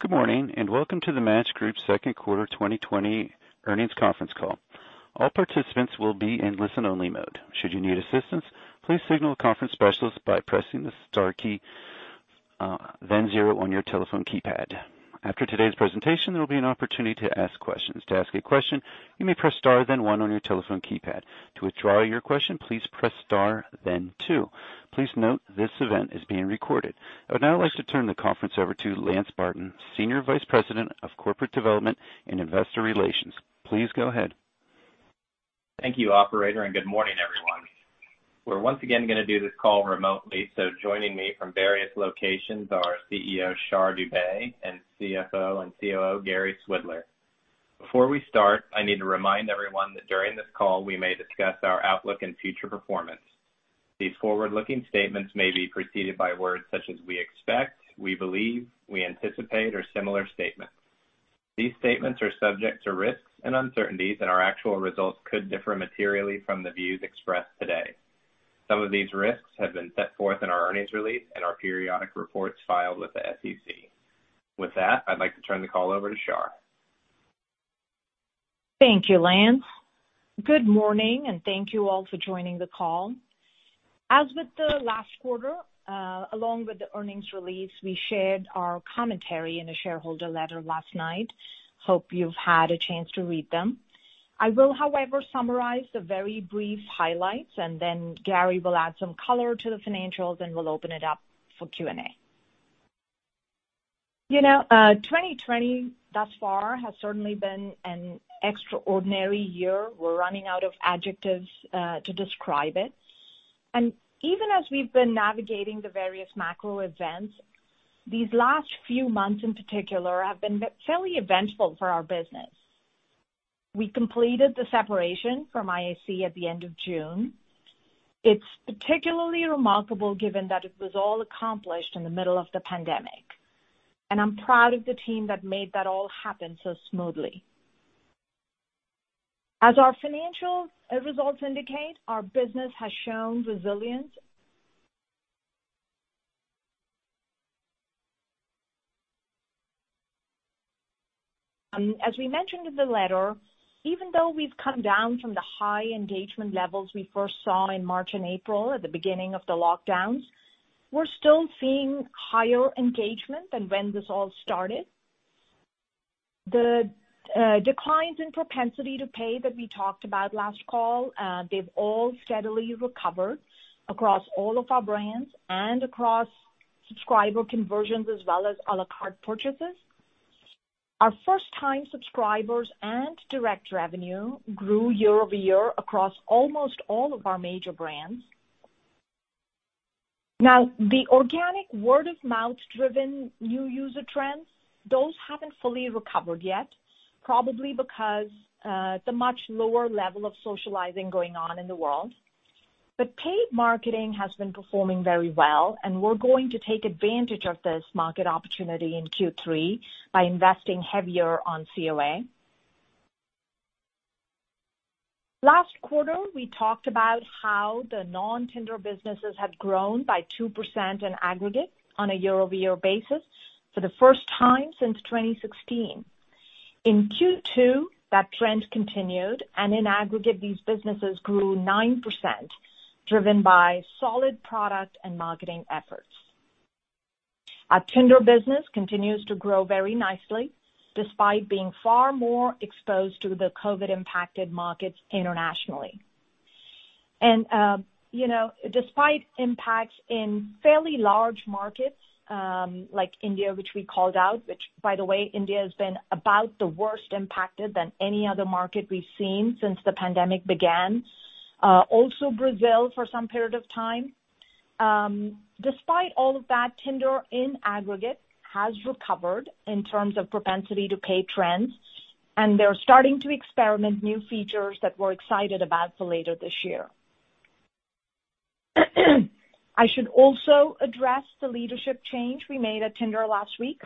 Good morning, and welcome to The Match Group second quarter 2020 earnings conference call. I would now like to turn the conference over to Lance Barton, Senior Vice President of Corporate Development and Investor Relations. Please go ahead. Thank you operator. Good morning, everyone. We're once again going to do this call remotely, so joining me from various locations are CEO Shar Dubey and CFO and COO Gary Swidler. Before we start, I need to remind everyone that during this call, we may discuss our outlook and future performance. These forward-looking statements may be preceded by words such as "we expect," "we believe," "we anticipate" or similar statements. These statements are subject to risks and uncertainties, and our actual results could differ materially from the views expressed today. Some of these risks have been set forth in our earnings release and our periodic reports filed with the SEC. With that, I'd like to turn the call over to Shar. Thank you, Lance. Good morning, and thank you all for joining the call. As with the last quarter, along with the earnings release, we shared our commentary in a shareholder letter last night. Hope you've had a chance to read them. I will, however, summarize the very brief highlights, and then Gary Swidler will add some color to the financials, and we'll open it up for Q&A. 2020 thus far has certainly been an extraordinary year. We're running out of adjectives to describe it. Even as we've been navigating the various macro events, these last few months in particular have been fairly eventful for our business. We completed the separation from IAC at the end of June. It's particularly remarkable given that it was all accomplished in the middle of the pandemic, and I'm proud of the team that made that all happen so smoothly. As our financial results indicate, our business has shown resilience. As we mentioned in the letter, even though we've come down from the high engagement levels we first saw in March and April at the beginning of the lockdowns, we're still seeing higher engagement than when this all started. The declines in propensity to pay that we talked about last call, they've all steadily recovered across all of our brands and across subscriber conversions, as well as à la carte purchases. Our first-time subscribers and direct revenue grew year-over-year across almost all of our major brands. The organic word-of-mouth driven new user trends, those haven't fully recovered yet, probably because the much lower level of socializing going on in the world. Paid marketing has been performing very well, and we're going to take advantage of this market opportunity in Q3 by investing heavier on COA. Last quarter, we talked about how the non-Tinder businesses had grown by 2% in aggregate on a year-over-year basis for the first time since 2016. In Q2, that trend continued. In aggregate, these businesses grew 9%, driven by solid product and marketing efforts. Our Tinder business continues to grow very nicely, despite being far more exposed to the COVID-impacted markets internationally. Despite impacts in fairly large markets like India, which we called out, which by the way, India has been about the worst impacted than any other market we've seen since the pandemic began. Also Brazil for some period of time. Despite all of that, Tinder in aggregate has recovered in terms of propensity to pay trends, and they're starting to experiment new features that we're excited about for later this year. I should also address the leadership change we made at Tinder last week.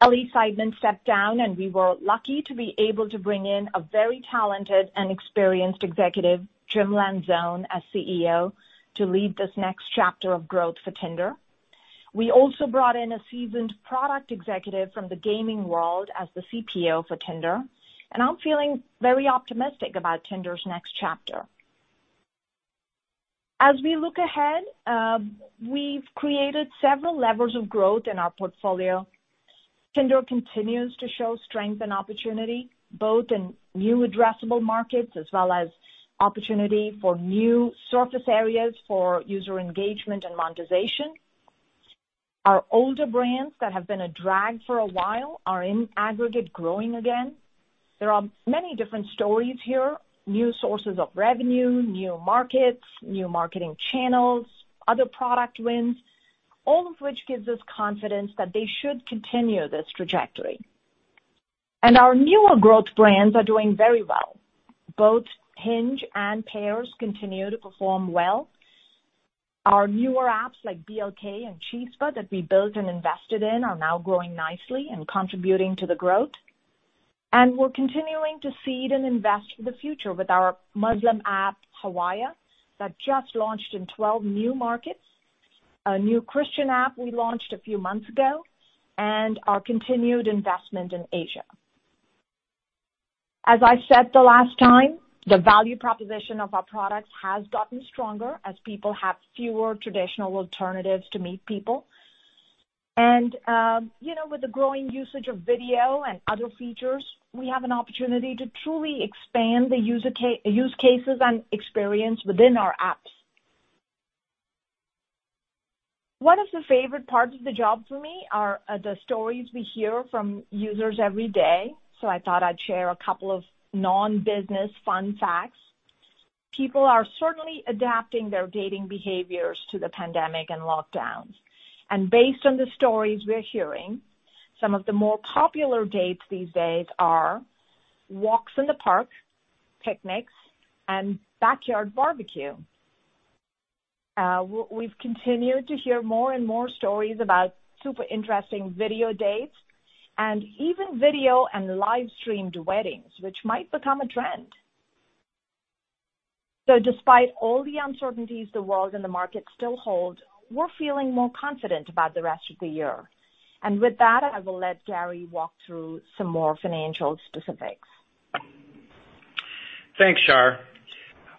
Elie Seidman stepped down, and we were lucky to be able to bring in a very talented and experienced executive, Jim Lanzone, as CEO to lead this next chapter of growth for Tinder. We also brought in a seasoned product executive from the gaming world as the CPO for Tinder, and I'm feeling very optimistic about Tinder's next chapter. As we look ahead, we've created several levers of growth in our portfolio. Tinder continues to show strength and opportunity, both in new addressable markets as well as opportunity for new surface areas for user engagement and monetization. Our older brands that have been a drag for a while are in aggregate growing again. There are many different stories here, new sources of revenue, new markets, new marketing channels, other product wins, all of which gives us confidence that they should continue this trajectory. Our newer growth brands are doing very well. Both Hinge and Pairs continue to perform well. Our newer apps like BLK and Chispa that we built and invested in are now growing nicely and contributing to the growth. We're continuing to seed and invest for the future with our Muslim app, Hawaya, that just launched in 12 new markets, a new Christian app we launched a few months ago, and our continued investment in Asia. As I said the last time, the value proposition of our products has gotten stronger as people have fewer traditional alternatives to meet people. With the growing usage of video and other features, we have an opportunity to truly expand the use cases and experience within our apps. One of the favorite parts of the job for me are the stories we hear from users every day. I thought I'd share a couple of non-business fun facts. People are certainly adapting their dating behaviors to the pandemic and lockdowns. Based on the stories we're hearing, some of the more popular dates these days are walks in the park, picnics, and backyard barbecue. We've continued to hear more and more stories about super interesting video dates and even video and live-streamed weddings, which might become a trend. Despite all the uncertainties the world and the market still hold, we're feeling more confident about the rest of the year. With that, I will let Gary walk through some more financial specifics. Thanks, Shar.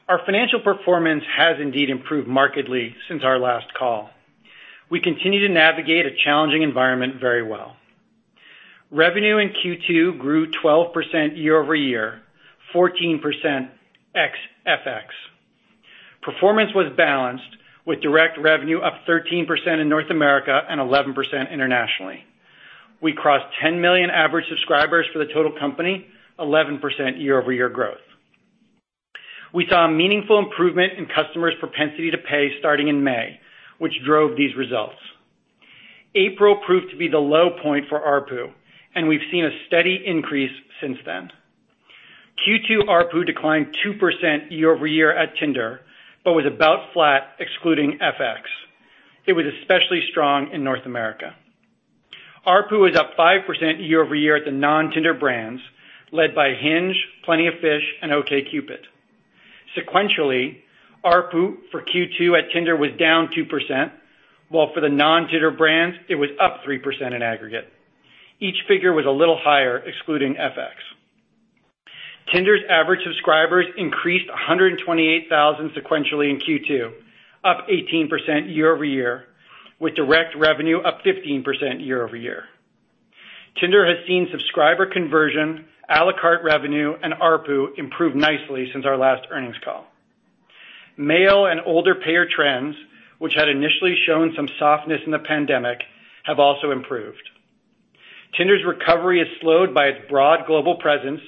Our financial performance has indeed improved markedly since our last call. We continue to navigate a challenging environment very well. Revenue in Q2 grew 12% year-over-year, 14% ex FX. Performance was balanced with direct revenue up 13% in North America and 11% internationally. We crossed 10 million average subscribers for the total company, 11% year-over-year growth. We saw a meaningful improvement in customers' propensity to pay starting in May, which drove these results. April proved to be the low point for ARPU, and we've seen a steady increase since then. Q2 ARPU declined 2% year-over-year at Tinder, but was about flat excluding FX. It was especially strong in North America. ARPU is up 5% year-over-year at the non-Tinder brands, led by Hinge, Plenty of Fish, and OkCupid. Sequentially, ARPU for Q2 at Tinder was down 2%, while for the non-Tinder brands, it was up 3% in aggregate. Each figure was a little higher, excluding FX. Tinder's average subscribers increased 128,000 sequentially in Q2, up 18% year-over-year, with direct revenue up 15% year-over-year. Tinder has seen subscriber conversion, a la carte revenue, and ARPU improve nicely since our last earnings call. Male and older payer trends, which had initially shown some softness in the pandemic, have also improved. Tinder's recovery is slowed by its broad global presence,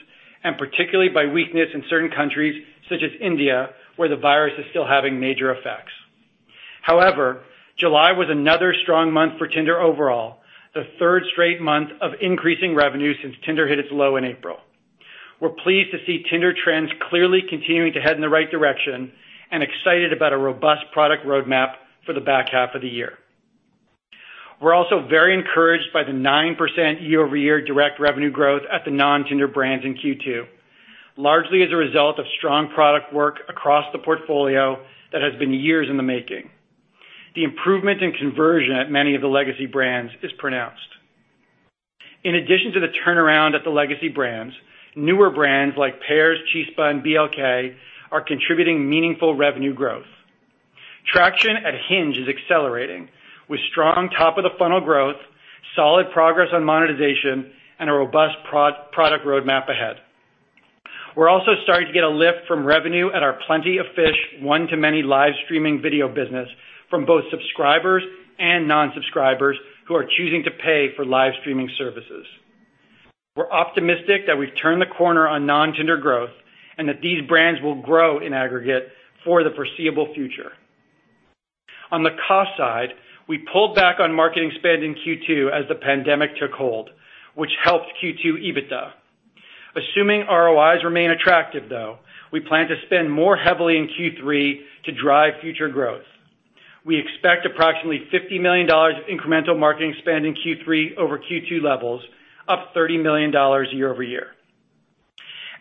and particularly by weakness in certain countries such as India, where the virus is still having major effects. However, July was another strong month for Tinder overall, the third straight month of increasing revenue since Tinder hit its low in April. We're pleased to see Tinder trends clearly continuing to head in the right direction and excited about a robust product roadmap for the back half of the year. We're also very encouraged by the 9% year-over-year direct revenue growth at the non-Tinder brands in Q2, largely as a result of strong product work across the portfolio that has been years in the making. The improvement in conversion at many of the legacy brands is pronounced. In addition to the turnaround at the legacy brands, newer brands like Pairs, Chispa, BLK are contributing meaningful revenue growth. Traction at Hinge is accelerating, with strong top-of-the-funnel growth, solid progress on monetization, and a robust product roadmap ahead. We're also starting to get a lift from revenue at our Plenty of Fish one-to-many live streaming video business from both subscribers and non-subscribers who are choosing to pay for live streaming services. We're optimistic that we've turned the corner on non-Tinder growth and that these brands will grow in aggregate for the foreseeable future. On the cost side, we pulled back on marketing spend in Q2 as the pandemic took hold, which helped Q2 EBITDA. Assuming ROIs remain attractive, though, we plan to spend more heavily in Q3 to drive future growth. We expect approximately $50 million of incremental marketing spend in Q3 over Q2 levels, up $30 million year-over-year.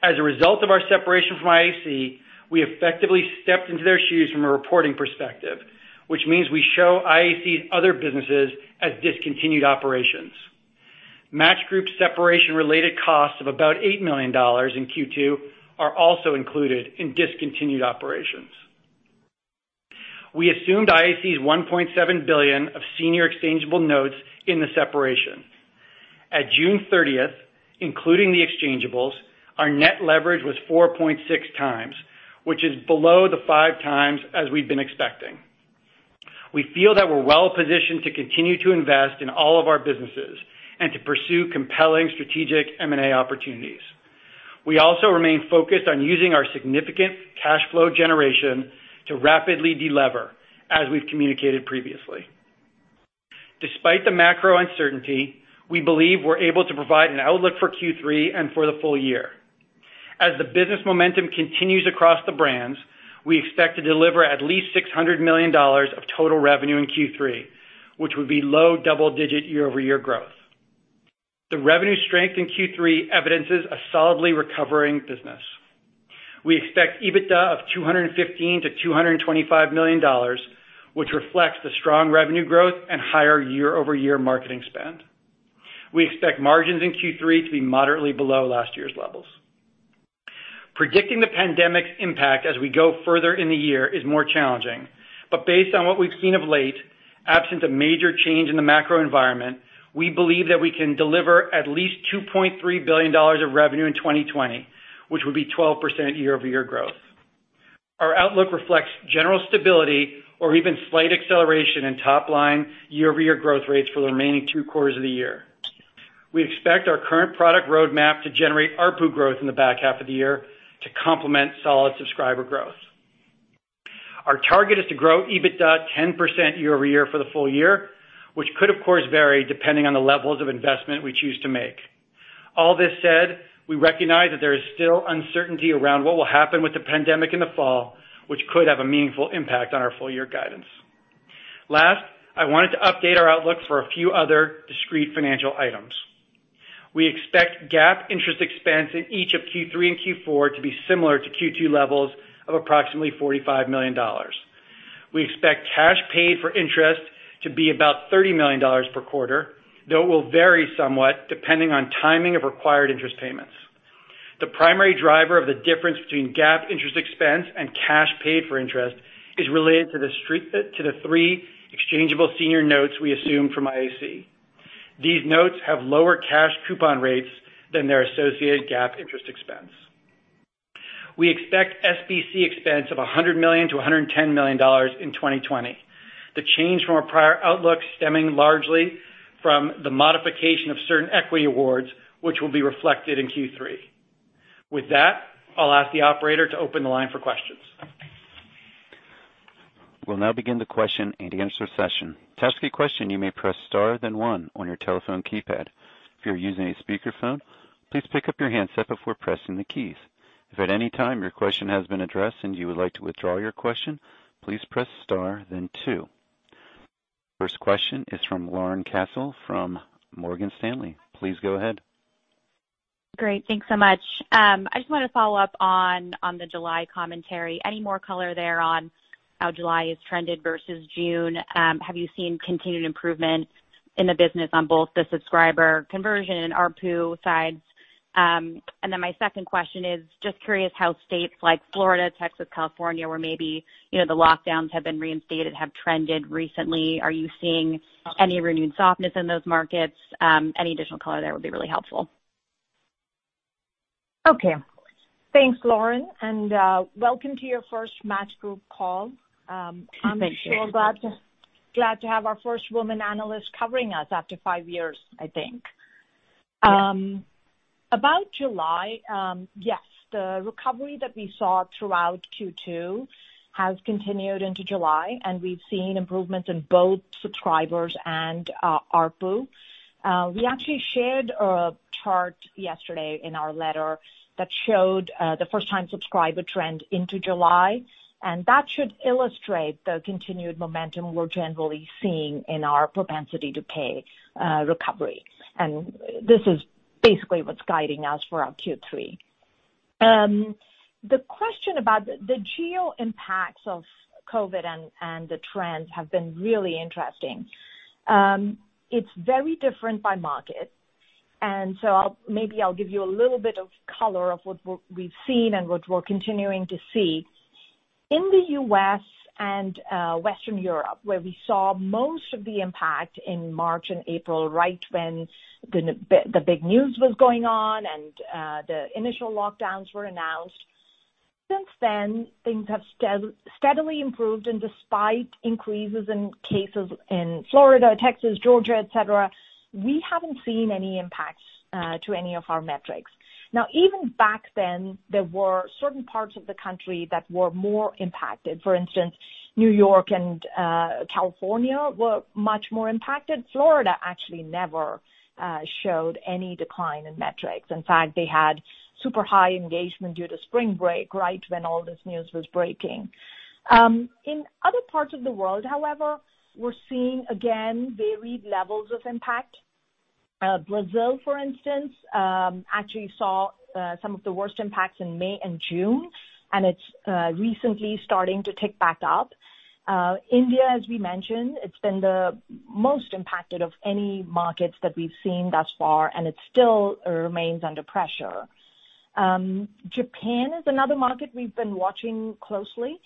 As a result of our separation from IAC, we effectively stepped into their shoes from a reporting perspective, which means we show IAC's other businesses as discontinued operations. Match Group separation-related costs of about $8 million in Q2 are also included in discontinued operations. We assumed IAC's $1.7 billion of senior exchangeable notes in the separation. At June 30th, including the exchangeables, our net leverage was 4.6 times, which is below the 5 times as we've been expecting. We feel that we're well positioned to continue to invest in all of our businesses and to pursue compelling strategic M&A opportunities. We also remain focused on using our significant cash flow generation to rapidly de-lever, as we've communicated previously. Despite the macro uncertainty, we believe we're able to provide an outlook for Q3 and for the full year. As the business momentum continues across the brands, we expect to deliver at least $600 million of total revenue in Q3, which would be low double-digit year-over-year growth. The revenue strength in Q3 evidences a solidly recovering business. We expect EBITDA of $215 million-$225 million, which reflects the strong revenue growth and higher year-over-year marketing spend. We expect margins in Q3 to be moderately below last year's levels. Predicting the pandemic's impact as we go further in the year is more challenging, but based on what we've seen of late, absent a major change in the macro environment, we believe that we can deliver at least $2.3 billion of revenue in 2020, which would be 12% year-over-year growth. Our outlook reflects general stability or even slight acceleration in top-line year-over-year growth rates for the remaining two quarters of the year. We expect our current product roadmap to generate ARPU growth in the back half of the year to complement solid subscriber growth. Our target is to grow EBITDA 10% year-over-year for the full year, which could, of course, vary depending on the levels of investment we choose to make. All this said, we recognize that there is still uncertainty around what will happen with the pandemic in the fall, which could have a meaningful impact on our full-year guidance. Last, I wanted to update our outlook for a few other discrete financial items. We expect GAAP interest expense in each of Q3 and Q4 to be similar to Q2 levels of approximately $45 million. We expect cash paid for interest to be about $30 million per quarter, though it will vary somewhat depending on timing of required interest payments. The primary driver of the difference between GAAP interest expense and cash paid for interest is related to the three exchangeable senior notes we assumed from IAC. These notes have lower cash coupon rates than their associated GAAP interest expense. We expect SBC expense of $100 million-$110 million in 2020. The change from our prior outlook stemming largely from the modification of certain equity awards, which will be reflected in Q3. With that, I'll ask the operator to open the line for questions. We would now begin the question and answer section, to ask a question you may press star then one on your telephone keypad. If you are using a speaker phone please pick up your handset before pressing the keys. If at anytime your question has been address and you would like to withdraw your question please press star then two. First question is from Lauren Cassel from Morgan Stanley. Please go ahead. Great. Thanks so much. I just want to follow up on the July commentary. Any more color there on how July has trended versus June? Have you seen continued improvement in the business on both the subscriber conversion and ARPU sides? My second question is, just curious how states like Florida, Texas, California, where maybe the lockdowns have been reinstated, have trended recently. Are you seeing any renewed softness in those markets? Any additional color there would be really helpful. Okay. Thanks, Lauren, and welcome to your first Match Group call. Thank you. I'm so glad to have our first woman analyst covering us after five years, I think. About July, yes, the recovery that we saw throughout Q2 has continued into July, and we've seen improvements in both subscribers and ARPU. We actually shared a chart yesterday in our letter that showed the first-time subscriber trend into July, and that should illustrate the continued momentum we're generally seeing in our propensity-to-pay recovery. This is basically what's guiding us for our Q3. The question about the geo impacts of COVID and the trends have been really interesting. It's very different by market, and so maybe I'll give you a little bit of color of what we've seen and what we're continuing to see. In the U.S. and Western Europe, where we saw most of the impact in March and April, right when the big news was going on and the initial lockdowns were announced. Since then, things have steadily improved, and despite increases in cases in Florida, Texas, Georgia, et cetera, we haven't seen any impacts to any of our metrics. Now, even back then, there were certain parts of the country that were more impacted. For instance, New York and California were much more impacted. Florida actually never showed any decline in metrics. In fact, they had super high engagement due to spring break, right when all this news was breaking. In other parts of the world, however, we're seeing, again, varied levels of impact. Brazil, for instance, actually saw some of the worst impacts in May and June, and it's recently starting to tick back up. India, as we mentioned, it's been the most impacted of any markets that we've seen thus far, and it still remains under pressure. Japan is another market we've been watching closely.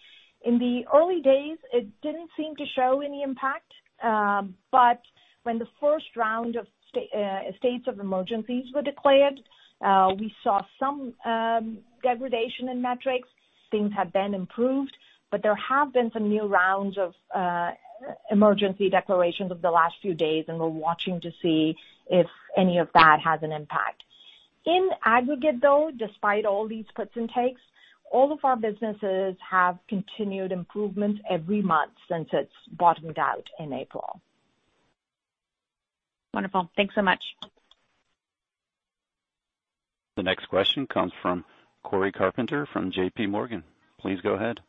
In the early days, it didn't seem to show any impact, but when the first round of states of emergencies were declared, we saw some degradation in metrics. Things have been improved, but there have been some new rounds of emergency declarations over the last few days, and we're watching to see if any of that has an impact. In aggregate, though, despite all these puts and takes, all of our businesses have continued improvement every month since it's bottomed out in April. Wonderful. Thanks so much. The next question comes from Cory Carpenter from JPMorgan. Please go ahead.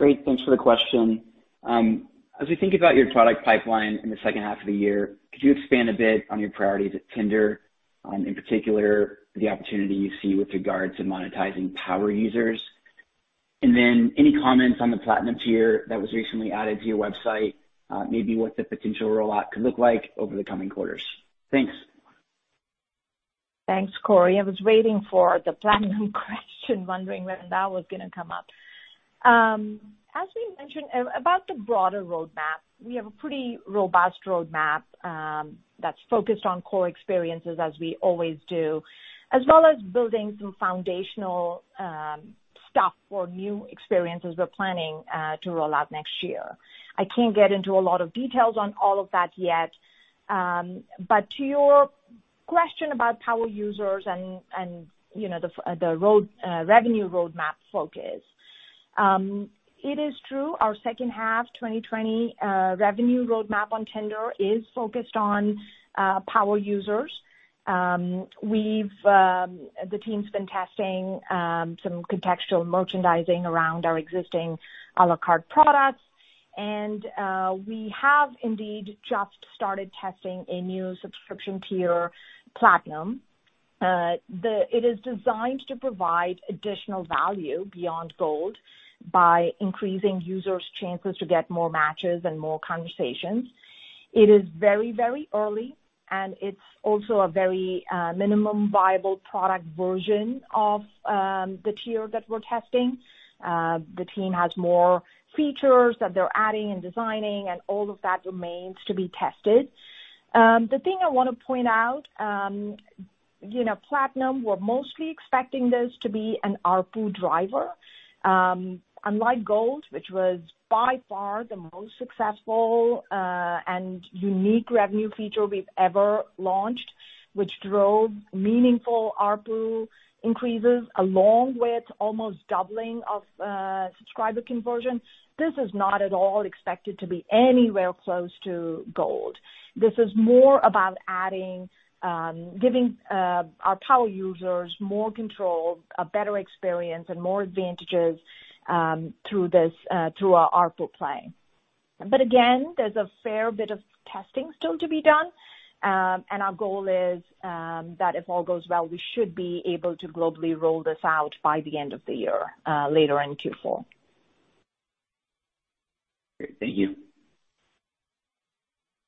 Great. Thanks for the question. As we think about your product pipeline in the second half of the year, could you expand a bit on your priorities at Tinder, in particular, the opportunity you see with regards to monetizing power users? Any comments on the Platinum tier that was recently added to your website, maybe what the potential rollout could look like over the coming quarters. Thanks. Thanks, Cory. I was waiting for the Platinum question, wondering when that was going to come up. As we mentioned about the broader roadmap, we have a pretty robust roadmap, that's focused on core experiences as we always do, as well as building some foundational stuff for new experiences we're planning to roll out next year. I can't get into a lot of details on all of that yet. To your question about power users and the revenue roadmap focus. It is true our second half 2020 revenue roadmap on Tinder is focused on power users. The team's been testing some contextual merchandising around our existing à la carte products, and we have indeed just started testing a new subscription tier, Platinum. It is designed to provide additional value beyond Gold by increasing users' chances to get more matches and more conversations. It is very early, and it's also a very minimum viable product version of the tier that we're testing. The team has more features that they're adding and designing, and all of that remains to be tested. The thing I want to point out, Platinum, we're mostly expecting this to be an ARPU driver. Unlike Gold, which was by far the most successful and unique revenue feature we've ever launched, which drove meaningful ARPU increases along with almost doubling of subscriber conversion. This is not at all expected to be anywhere close to Gold. This is more about giving our power users more control, a better experience, and more advantages through our ARPU play. Again, there's a fair bit of testing still to be done. Our goal is that if all goes well, we should be able to globally roll this out by the end of the year, later in Q4. Great. Thank you.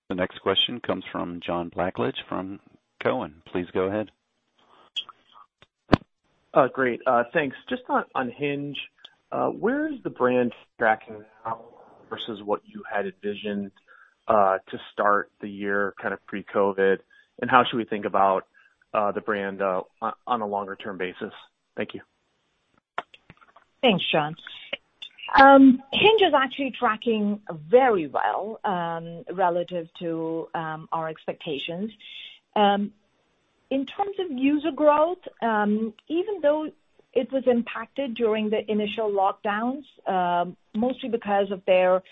The next question comes from John Blackledge from Cowen. Please go ahead. Great. Thanks. Just on Hinge, where is the brand tracking now versus what you had envisioned to start the year pre-COVID, and how should we think about the brand on a longer-term basis? Thank you. Thanks, John. Hinge is actually tracking very well relative to our expectations. In terms of user growth, even though it was impacted during the initial lockdowns, mostly because of their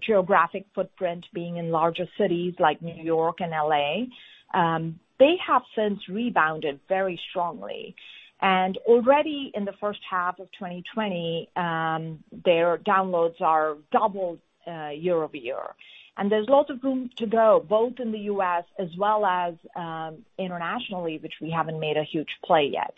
geographic footprint being in larger cities like N.Y. and L.A. They have since rebounded very strongly, already in the first half of 2020, their downloads are double year-over-year. There's lots of room to grow, both in the U.S. as well as internationally, which we haven't made a huge play yet.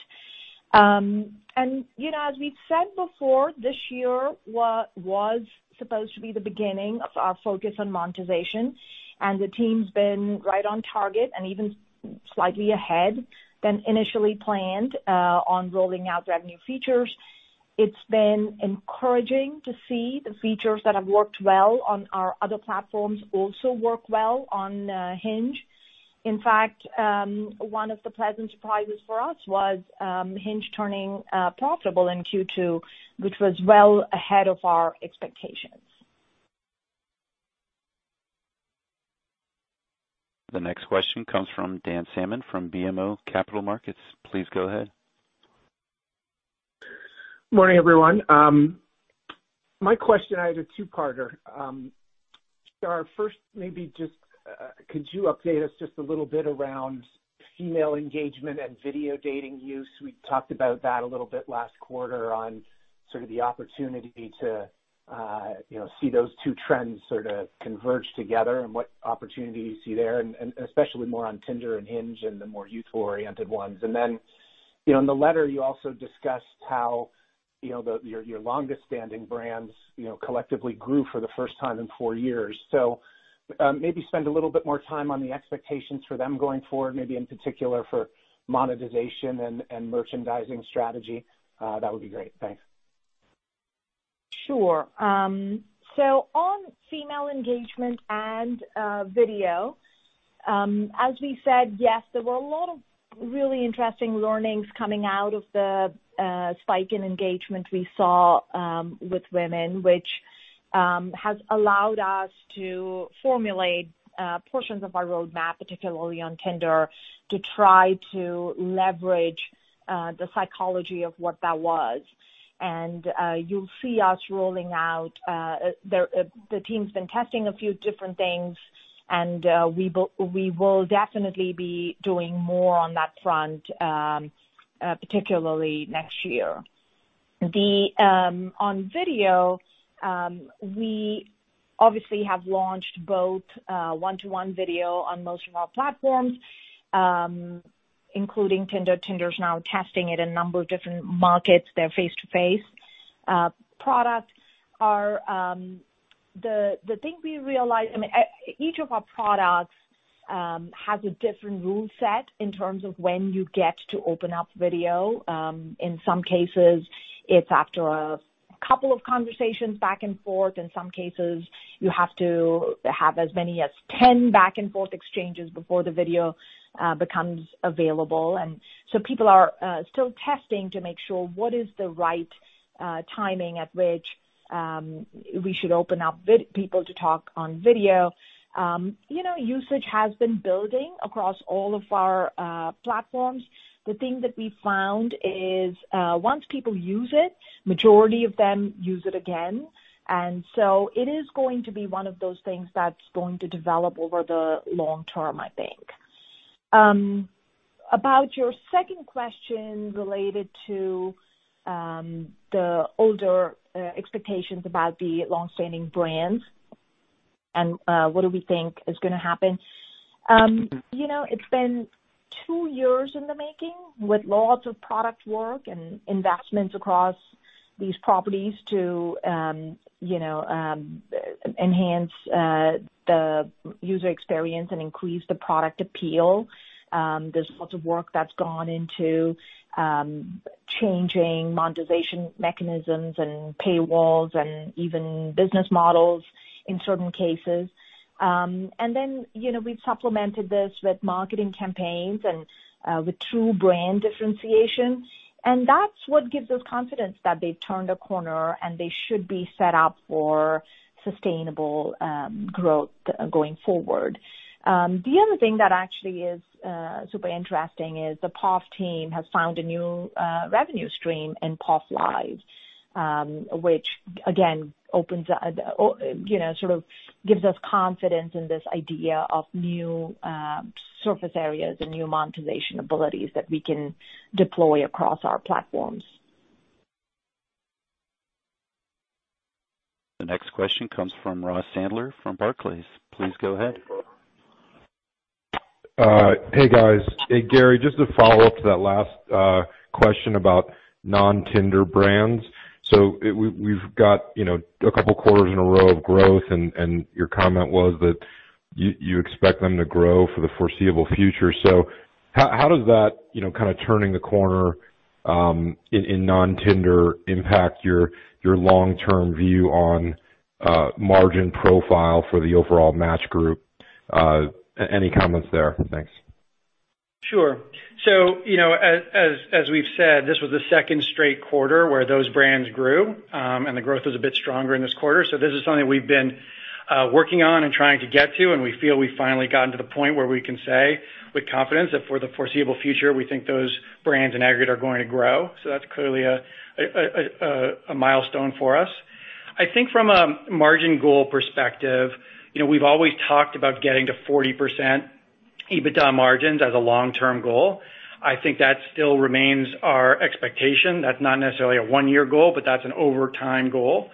As we've said before, this year was supposed to be the beginning of our focus on monetization, and the team's been right on target and even slightly ahead than initially planned on rolling out revenue features. It's been encouraging to see the features that have worked well on our other platforms also work well on Hinge. In fact, one of the pleasant surprises for us was Hinge turning profitable in Q2, which was well ahead of our expectations. The next question comes from Dan Salmon from BMO Capital Markets. Please go ahead. Morning, everyone. My question is a two-parter. Shar, first maybe just could you update us just a little bit around female engagement and video dating use? We talked about that a little bit last quarter on sort of the opportunity to see those two trends sort of converge together and what opportunity you see there, and especially more on Tinder and Hinge and the more youth-oriented ones. In the letter, you also discussed how your longest-standing brands collectively grew for the first time in four years. Maybe spend a little bit more time on the expectations for them going forward, maybe in particular for monetization and merchandising strategy. That would be great. Thanks. Sure. On female engagement and video, as we said, yes, there were a lot of really interesting learnings coming out of the spike in engagement we saw with women, which has allowed us to formulate portions of our roadmap, particularly on Tinder, to try to leverage the psychology of what that was. You'll see us rolling out, the team's been testing a few different things, and we will definitely be doing more on that front, particularly next year. On video, we obviously have launched both one-to-one video on most of our platforms, including Tinder. Tinder is now testing it in a number of different markets, their Face to Face products. Each of our products has a different rule set in terms of when you get to open up video. In some cases, it's after a couple of conversations back and forth. In some cases, you have to have as many as 10 back and forth exchanges before the video becomes available. People are still testing to make sure what is the right timing at which we should open up people to talk on video. Usage has been building across all of our platforms. The thing that we've found is, once people use it, majority of them use it again. It is going to be one of those things that's going to develop over the long term, I think. About your second question related to the older expectations about the long-standing brands and what do we think is going to happen. It's been two years in the making with lots of product work and investments across these properties to enhance the user experience and increase the product appeal. There's lots of work that's gone into changing monetization mechanisms and paywalls and even business models in certain cases. We've supplemented this with marketing campaigns and with true brand differentiation. That's what gives us confidence that they've turned a corner and they should be set up for sustainable growth going forward. The other thing that actually is super interesting is the POF team has found a new revenue stream in POF Live!, which again, sort of gives us confidence in this idea of new surface areas and new monetization abilities that we can deploy across our platforms. The next question comes from Ross Sandler from Barclays. Please go ahead. Hey, guys. Hey, Gary, just to follow up to that last question about non-Tinder brands. We've got a couple of quarters in a row of growth, and your comment was that you expect them to grow for the foreseeable future. How does that kind of turning the corner in non-Tinder impact your long-term view on margin profile for the overall Match Group? Any comments there? Thanks. Sure. As we've said, this was the second straight quarter where those brands grew, and the growth was a bit stronger in this quarter. This is something we've been working on and trying to get to, and we feel we've finally gotten to the point where we can say with confidence that for the foreseeable future, we think those brands in aggregate are going to grow. That's clearly a milestone for us. I think from a margin goal perspective, we've always talked about getting to 40% EBITDA margins as a long-term goal. I think that still remains our expectation. That's not necessarily a one-year goal, but that's an over time goal.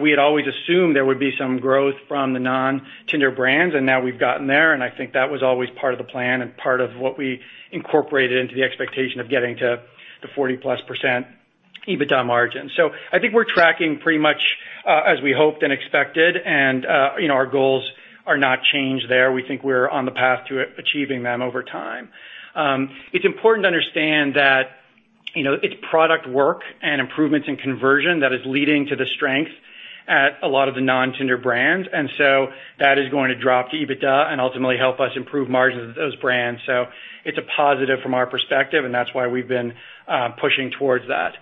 We had always assumed there would be some growth from the non-Tinder brands, and now we've gotten there, and I think that was always part of the plan and part of what we incorporated into the expectation of getting to the 40+% EBITDA margin. I think we're tracking pretty much as we hoped and expected, and our goals are not changed there. We think we're on the path to achieving them over time. It's important to understand that it's product work and improvements in conversion that is leading to the strength at a lot of the non-Tinder brands, and so that is going to drop to EBITDA and ultimately help us improve margins of those brands. It's a positive from our perspective, and that's why we've been pushing towards that.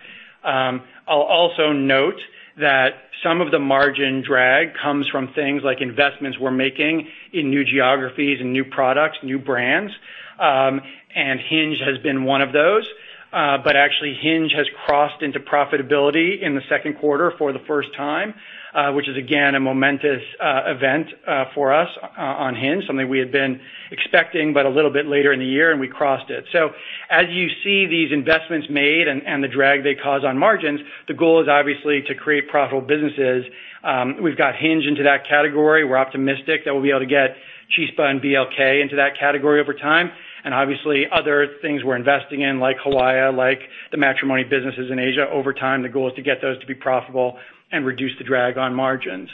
I'll also note that some of the margin drag comes from things like investments we're making in new geographies and new products, new brands, and Hinge has been one of those. Actually, Hinge has crossed into profitability in the second quarter for the first time, which is again, a momentous event for us on Hinge, something we had been expecting but a little bit later in the year, and we crossed it. As you see these investments made and the drag they cause on margins, the goal is obviously to create profitable businesses. We've got Hinge into that category. We're optimistic that we'll be able to get Chispa and BLK into that category over time. Obviously, other things we're investing in, like Hawaya, like the matrimony businesses in Asia over time, the goal is to get those to be profitable and reduce the drag on margins.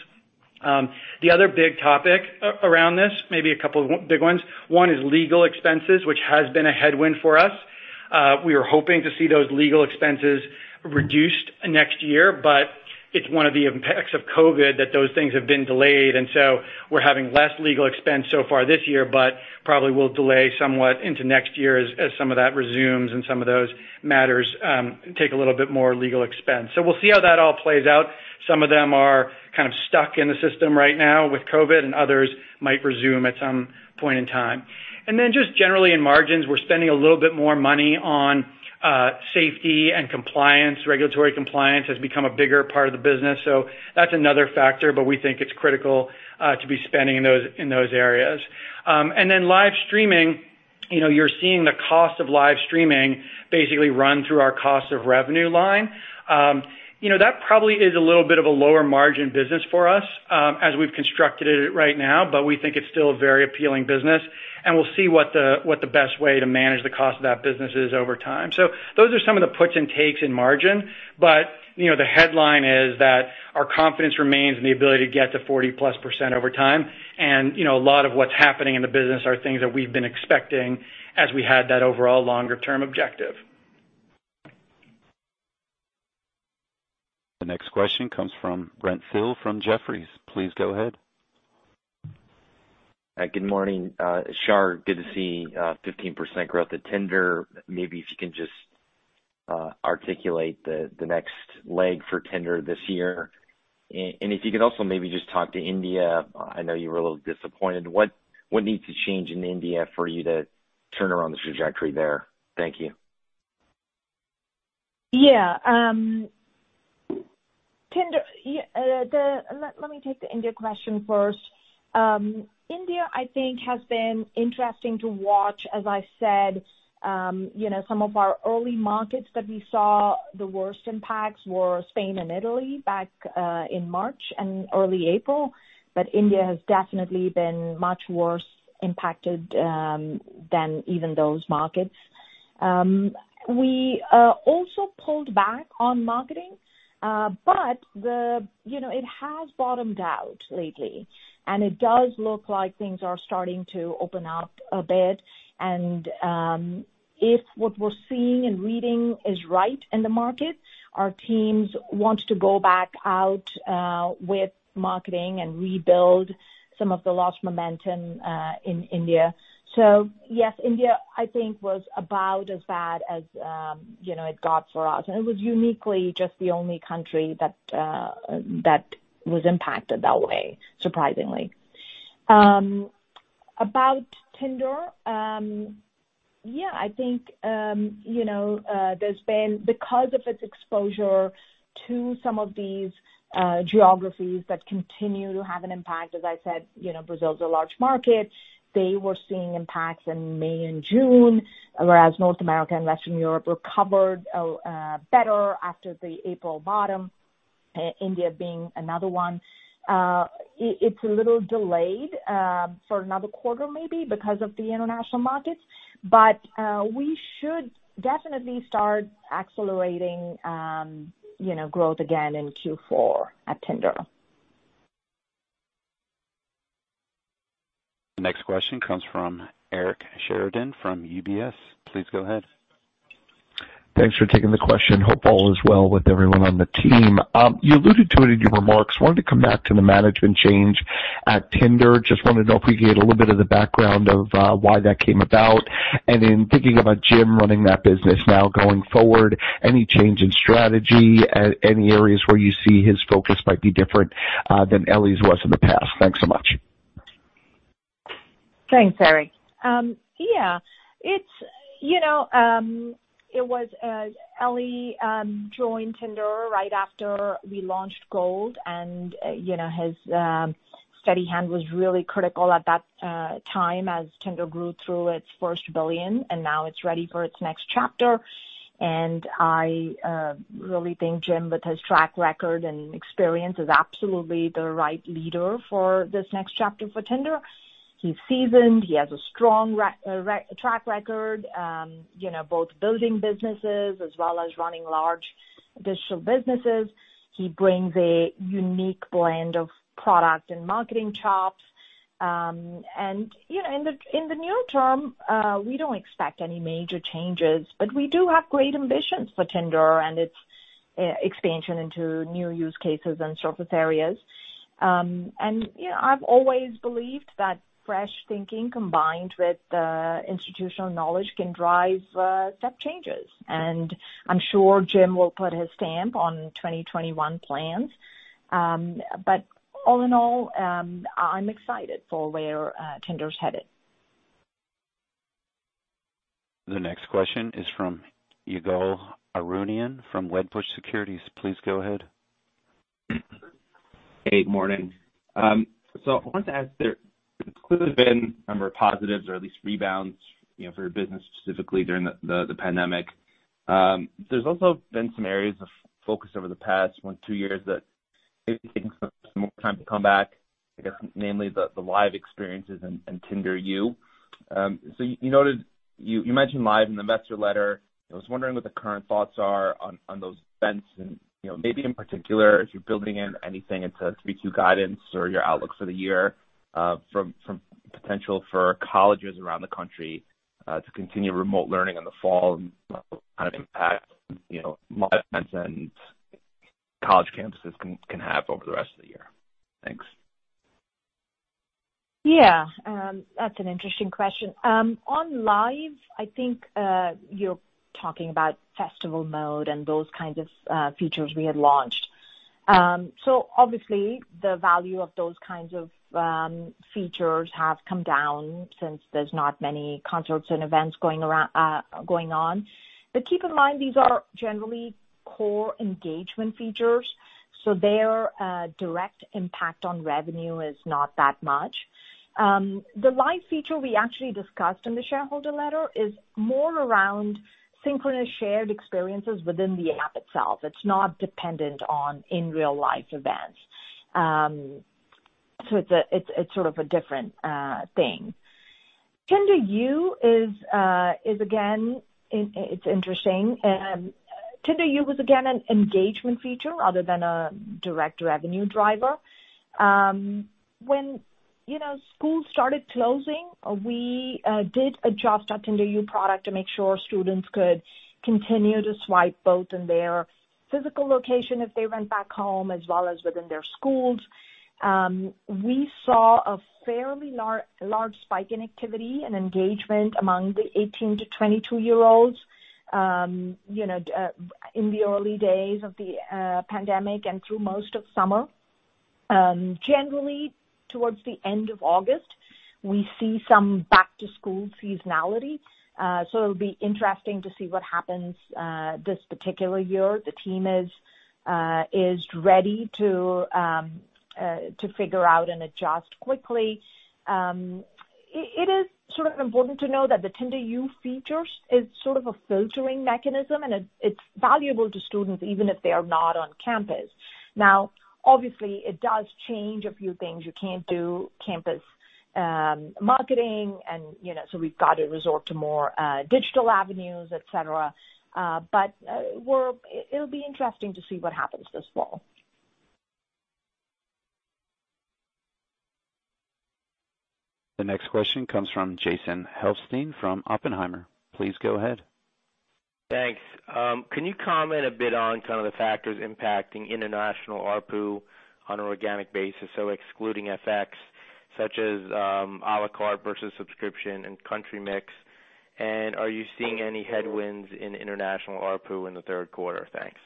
The other big topic around this, maybe a couple of big ones. One is legal expenses, which has been a headwind for us. We are hoping to see those legal expenses reduced next year, but it's one of the impacts of COVID that those things have been delayed. We're having less legal expense so far this year, but probably will delay somewhat into next year as some of that resumes and some of those matters take a little bit more legal expense. We'll see how that all plays out. Some of them are kind of stuck in the system right now with COVID, and others might resume at some point in time. Just generally in margins, we're spending a little bit more money on safety and compliance. Regulatory compliance has become a bigger part of the business, that's another factor. We think it's critical to be spending in those areas. Live streaming, you're seeing the cost of live streaming basically run through our cost of revenue line. That probably is a little bit of a lower margin business for us as we've constructed it right now. We think it's still a very appealing business, and we'll see what the best way to manage the cost of that business is over time. Those are some of the puts and takes in margin. The headline is that our confidence remains in the ability to get to 40%+ over time. A lot of what's happening in the business are things that we've been expecting as we had that overall longer-term objective. The next question comes from Brent Thill from Jefferies. Please go ahead. Good morning, Shar. Good to see 15% growth at Tinder. Maybe if you can just articulate the next leg for Tinder this year. If you could also maybe just talk to India. I know you were a little disappointed. What needs to change in India for you to turn around the trajectory there? Thank you. Yeah. Let me take the India question first. India, I think, has been interesting to watch. As I said, some of our early markets that we saw the worst impacts were Spain and Italy back in March and early April. India has definitely been much worse impacted than even those markets. We also pulled back on marketing, but it has bottomed out lately, and it does look like things are starting to open up a bit. If what we're seeing and reading is right in the market, our teams want to go back out with marketing and rebuild some of the lost momentum in India. Yes, India, I think, was about as bad as it got for us, and it was uniquely just the only country that was impacted that way, surprisingly. About Tinder, yeah, I think because of its exposure to some of these geographies that continue to have an impact, as I said, Brazil is a large market. They were seeing impacts in May and June, whereas North America and Western Europe recovered better after the April bottom, India being another one. It's a little delayed for another quarter, maybe because of the international markets. We should definitely start accelerating growth again in Q4 at Tinder. The next question comes from Eric Sheridan from UBS. Please go ahead. Thanks for taking the question. Hope all is well with everyone on the team. You alluded to it in your remarks. Wanted to come back to the management change at Tinder. Just wanted to know if we could get a little bit of the background of why that came about. In thinking about Jim running that business now going forward, any change in strategy? Any areas where you see his focus might be different than Elie's was in the past? Thanks so much. Thanks, Eric. Yeah. It was Elie joined Tinder right after we launched Gold. His steady hand was really critical at that time as Tinder grew through its first billion. Now it's ready for its next chapter. I really think Jim, with his track record and experience, is absolutely the right leader for this next chapter for Tinder. He's seasoned. He has a strong track record both building businesses as well as running large digital businesses. He brings a unique blend of product and marketing chops. In the near term, we don't expect any major changes, but we do have great ambitions for Tinder and its expansion into new use cases and surface areas. I've always believed that fresh thinking combined with institutional knowledge can drive step changes. I'm sure Jim will put his stamp on 2021 plans. All in all, I'm excited for where Tinder's headed. The next question is from Ygal Arounian from Wedbush Securities. Please go ahead. Hey, morning. I wanted to ask, there could have been a number of positives or at least rebounds for your business specifically during the pandemic. There's also been some areas of focus over the past one, two years that maybe taking some more time to come back, I guess, namely the live experiences and Tinder U. You mentioned Live in the investor letter. I was wondering what the current thoughts are on those events and maybe in particular, if you're building in anything into 3Q guidance or your outlook for the year from potential for colleges around the country to continue remote learning in the fall and what kind of impact Live events and college campuses can have over the rest of the year. Thanks. That's an interesting question. On Live, I think you're talking about Festival Mode and those kinds of features we had launched. Obviously the value of those kinds of features have come down since there's not many concerts and events going on. Keep in mind, these are generally core engagement features, their direct impact on revenue is not that much. The Live feature we actually discussed in the shareholder letter is more around synchronous shared experiences within the app itself. It's not dependent on in real life events. It's sort of a different thing. Tinder U is, again, it's interesting. Tinder U was, again, an engagement feature other than a direct revenue driver When school started closing, we did adjust our Tinder U product to make sure students could continue to swipe both in their physical location if they went back home, as well as within their schools. We saw a fairly large spike in activity and engagement among the 18 to 22 year olds in the early days of the pandemic and through most of summer. Generally, towards the end of August, we see some back to school seasonality. It'll be interesting to see what happens this particular year. The team is ready to figure out and adjust quickly. It is sort of important to know that the Tinder U feature is sort of a filtering mechanism, and it's valuable to students even if they are not on campus. Obviously, it does change a few things. You can't do campus marketing, we've got to resort to more digital avenues, et cetera. It'll be interesting to see what happens this fall. The next question comes from Jason Helfstein from Oppenheimer. Please go ahead. Thanks. Can you comment a bit on some of the factors impacting international ARPU on an organic basis, so excluding FX, such as à la carte versus subscription and country mix? Are you seeing any headwinds in international ARPU in the third quarter? Thanks.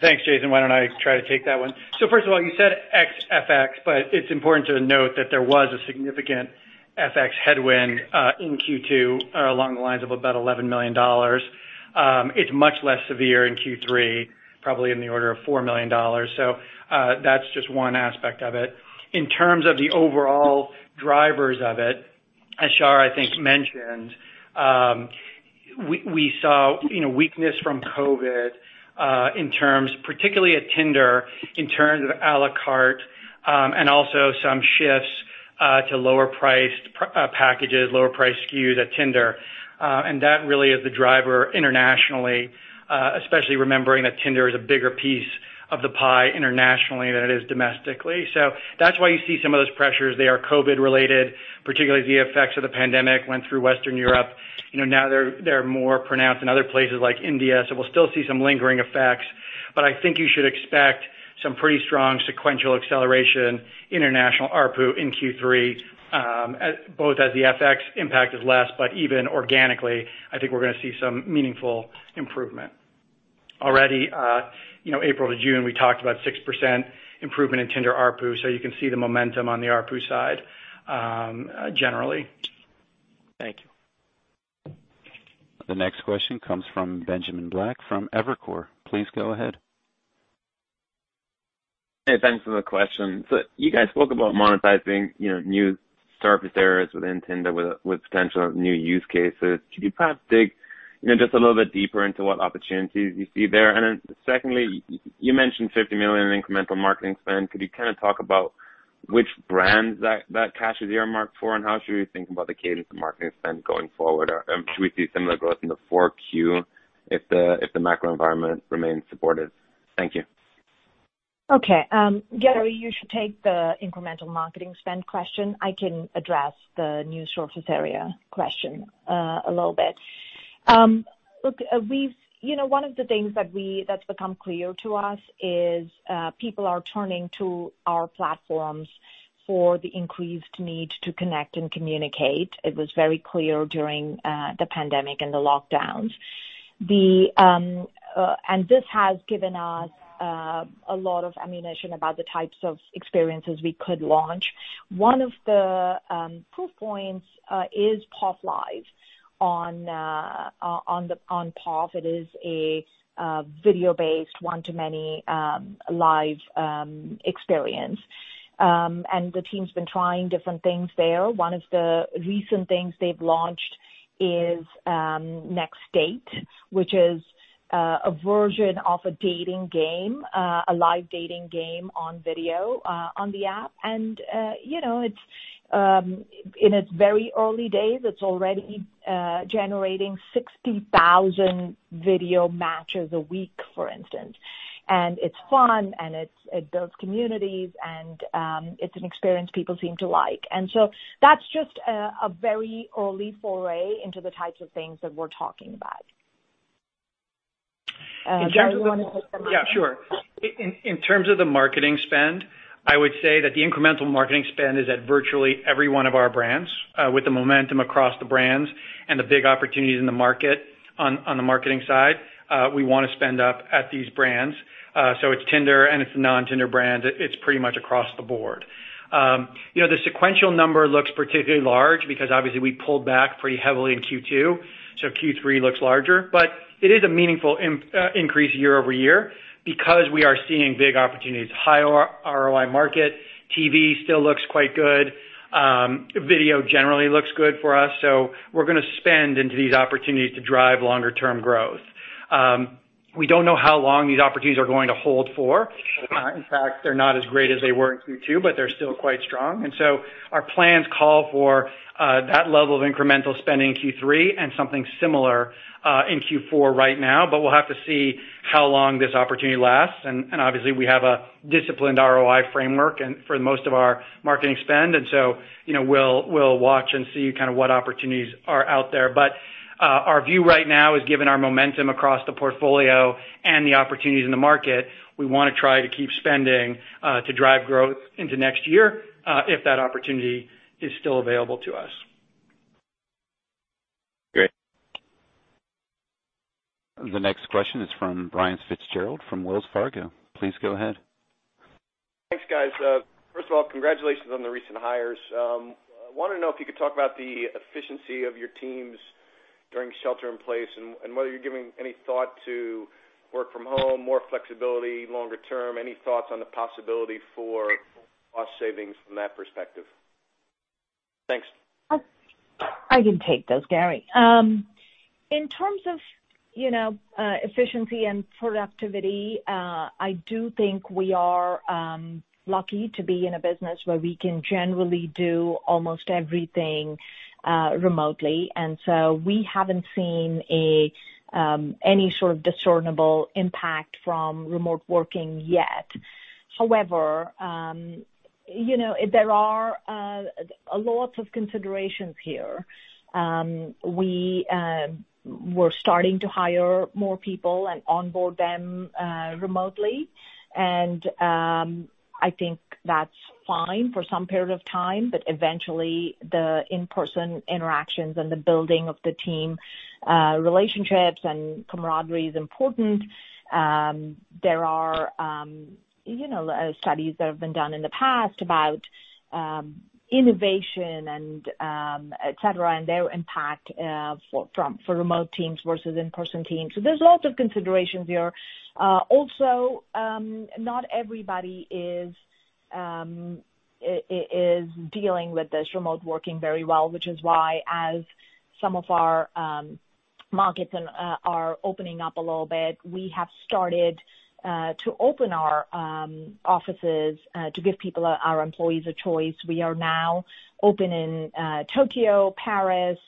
Thanks, Jason. Why don't I try to take that one? First of all, you said ex FX, but it's important to note that there was a significant FX headwind in Q2 along the lines of about $11 million. It's much less severe in Q3, probably in the order of $4 million. That's just one aspect of it. In terms of the overall drivers of it, as Shar, I think mentioned, we saw weakness from COVID, particularly at Tinder, in terms of à la carte and also some shifts to lower priced packages, lower priced SKUs at Tinder. That really is the driver internationally, especially remembering that Tinder is a bigger piece of the pie internationally than it is domestically. That's why you see some of those pressures. They are COVID related, particularly the effects of the pandemic went through Western Europe. They're more pronounced in other places like India. We'll still see some lingering effects, but I think you should expect some pretty strong sequential acceleration international ARPU in Q3 both as the FX impact is less, but even organically, I think we're going to see some meaningful improvement. Already April to June, we talked about 6% improvement in Tinder ARPU, you can see the momentum on the ARPU side generally. Thank you. The next question comes from Benjamin Black from Evercore. Please go ahead. Hey, thanks for the question. You guys spoke about monetizing new surface areas within Tinder with potential new use cases. Could you perhaps dig just a little bit deeper into what opportunities you see there? Secondly, you mentioned $50 million in incremental marketing spend. Could you talk about which brands that cash is earmarked for, and how should we think about the cadence of marketing spend going forward? Should we see similar growth in the 4Q if the macro environment remains supportive? Thank you. Okay. Gary, you should take the incremental marketing spend question. I can address the new surface area question a little bit. Look, one of the things that's become clear to us is people are turning to our platforms for the increased need to connect and communicate. It was very clear during the pandemic and the lockdowns. This has given us a lot of ammunition about the types of experiences we could launch. One of the proof points is POF Live. On POF, it is a video-based, one to many live experience. The team's been trying different things there. One of the recent things they've launched is NextDate, which is a version of a dating game, a live dating game on video on the app. In its very early days, it's already generating 60,000 video matches a week, for instance. It's fun, and it builds communities, and it's an experience people seem to like. That's just a very early foray into the types of things that we're talking about. In terms of the marketing spend, I would say that the incremental marketing spend is at virtually every one of our brands with the momentum across the brands and the big opportunities in the market on the marketing side. We want to spend up at these brands. It's Tinder and it's non-Tinder brands. It's pretty much across the board. The sequential number looks particularly large because obviously we pulled back pretty heavily in Q2, so Q3 looks larger, but it is a meaningful increase year-over-year because we are seeing big opportunities, high ROI market. TV still looks quite good. Video generally looks good for us, so we're going to spend into these opportunities to drive longer-term growth. We don't know how long these opportunities are going to hold for. In fact, they're not as great as they were in Q2, but they're still quite strong. Our plans call for that level of incremental spending in Q3 and something similar in Q4 right now. We'll have to see how long this opportunity lasts. Obviously we have a disciplined ROI framework for the most of our marketing spend. We'll watch and see what opportunities are out there. Our view right now is given our momentum across the portfolio and the opportunities in the market, we want to try to keep spending to drive growth into next year if that opportunity is still available to us. Great. The next question is from Brian Fitzgerald from Wells Fargo. Please go ahead. Thanks, guys. First of all, congratulations on the recent hires. I wanted to know if you could talk about the efficiency of your teams during shelter in place and whether you're giving any thought to work from home, more flexibility longer term, any thoughts on the possibility for cost savings from that perspective. Thanks. I can take those, Gary. In terms of efficiency and productivity, I do think we are lucky to be in a business where we can generally do almost everything remotely, and so we haven't seen any sort of discernible impact from remote working yet. However, there are lots of considerations here. We're starting to hire more people and onboard them remotely, and I think that's fine for some period of time, but eventually the in-person interactions and the building of the team relationships and camaraderie is important. There are studies that have been done in the past about innovation and et cetera, and their impact for remote teams versus in-person teams. There's lots of considerations there. Also, not everybody is dealing with this remote working very well, which is why as some of our markets are opening up a little bit, we have started to open our offices to give our employees a choice. We are now open in Tokyo, Paris,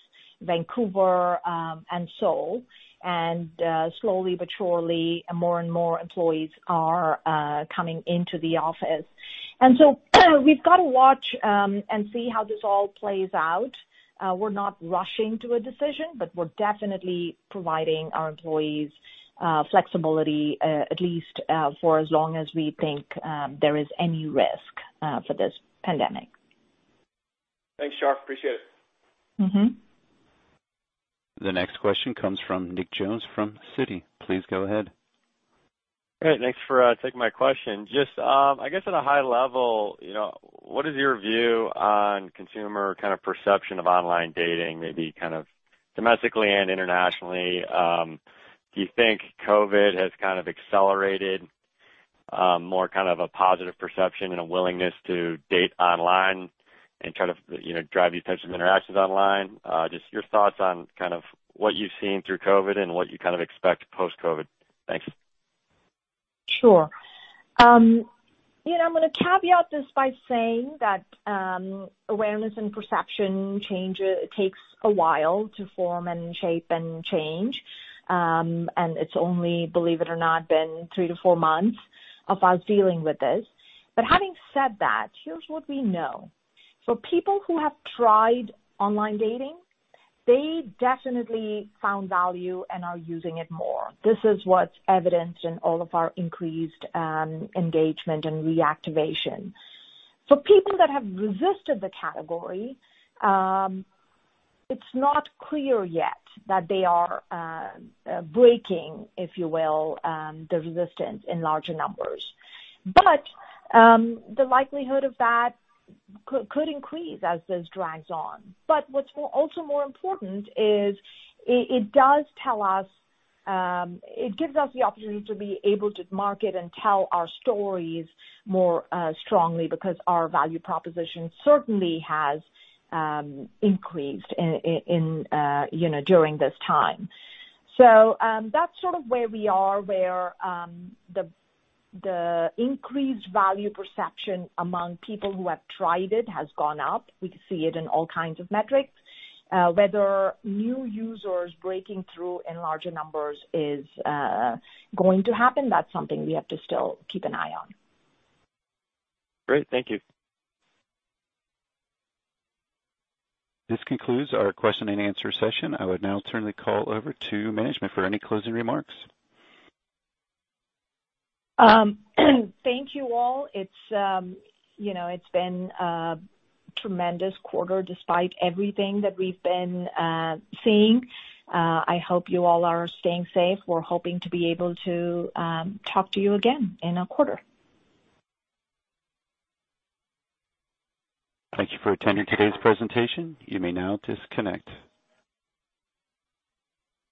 Vancouver, and Seoul, and slowly but surely, more and more employees are coming into the office. We've got to watch and see how this all plays out. We're not rushing to a decision, but we're definitely providing our employees flexibility, at least for as long as we think there is any risk for this pandemic. Thanks, Shar. Appreciate it. The next question comes from Nick Jones from Citi. Please go ahead. Great. Thanks for taking my question. Just, I guess at a high level, what is your view on consumer perception of online dating, maybe domestically and internationally? Do you think COVID has accelerated more of a positive perception and a willingness to date online and drive the attention of interactions online? Just your thoughts on what you've seen through COVID and what you expect post-COVID. Thanks. Sure. I'm going to caveat this by saying that awareness and perception takes a while to form and shape and change. It's only, believe it or not, been three-four months of us dealing with this. Having said that, here's what we know. For people who have tried online dating, they definitely found value and are using it more. This is what's evidenced in all of our increased engagement and reactivation. For people that have resisted the category, it's not clear yet that they are breaking, if you will, the resistance in larger numbers. The likelihood of that could increase as this drags on. What's also more important is it gives us the opportunity to be able to market and tell our stories more strongly because our value proposition certainly has increased during this time. That is sort of where we are, where the increased value perception among people who have tried it has gone up. We can see it in all kinds of metrics. Whether new users breaking through in larger numbers is going to happen, that is something we have to still keep an eye on. Great. Thank you. This concludes our question and answer session. I would now turn the call over to management for any closing remarks. Thank you all. It has been a tremendous quarter despite everything that we have been seeing. I hope you all are staying safe. We are hoping to be able to talk to you again in a quarter. Thank you for attending today's presentation. You may now disconnect.